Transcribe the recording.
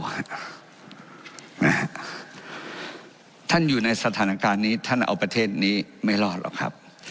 ท่านอยู่ในสถานการณ์นี้ท่านเอาประเทศนี้ไม่รอดหรอกครับ